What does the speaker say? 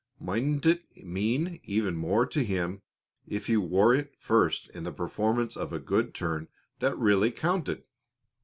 Mightn't it mean even more to him if he wore it first in the performance of a good turn that really counted?